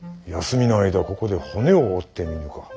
休みの間ここで骨を折ってみぬか？